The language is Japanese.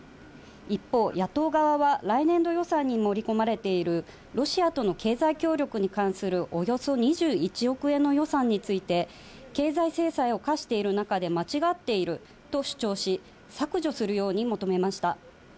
一方、野党側は来年度予算に盛り込まれている、ロシアとの経済協力に関するおよそ２１億円の予算について、経済制裁を科している中で間違っていると主張し、削除するように求めました。